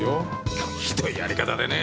しかもひどいやり方でね。